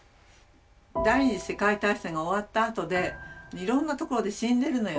第二次世界大戦が終わったあとでいろんなところで死んでるのよね。